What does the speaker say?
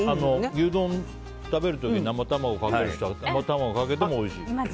牛丼食べる時に生卵かける人は生卵かけてもおいしい。